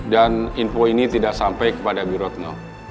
dan info ini tidak sampai kepada bu ratno